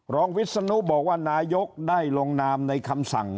วิศนุบอกว่านายกได้ลงนามในคำสั่ง